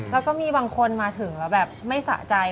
แล้วก็มีบางคนมาถึงแล้วแบบไม่สะใจ